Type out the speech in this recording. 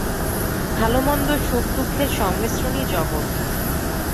ভালমন্দ, সুখদুঃখের সংমিশ্রণই জগৎ।